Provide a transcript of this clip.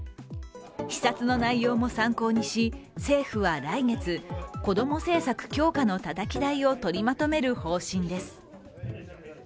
視察の内容も参考にし、政府は来月こども政策強化のたたき台をとりまとめる方針です。